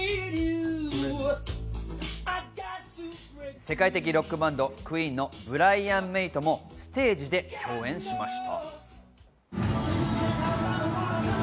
世界的ロックバンドＱｕｅｅｎのブライアン・メイもステージで共演しました。